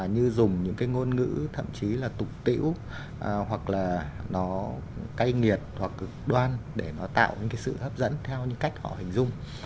như dùng những cái ngôn ngữ thậm chí là tục tiễu hoặc là nó cay nhiệt hoặc cực đoan để nó tạo những cái sự hấp dẫn theo những cách họ hình dung